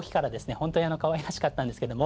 本当にかわいらしかったんですけども。